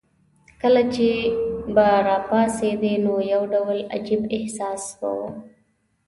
کله چې به راپاڅېدې نو یو ډول عجیب احساس به وو.